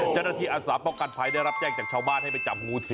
เจ้าหน้าที่อาจารย์ปกกัดภัยได้รับแจ้งจากชาวมาดให้ไปจับงูที